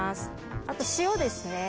あと塩ですね